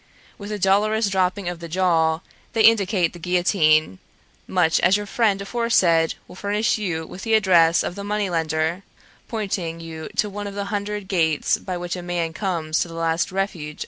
With a dolorous dropping of the jaw, they indicate the guillotine, much as your friend aforesaid will furnish you with the address of the money lender, pointing you to one of the hundred gates by which a man comes to the last refuge of the destitute.